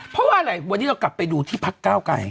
เพราะว่าอะไรวันนี้เรากลับไปดูที่พักก้าวไก่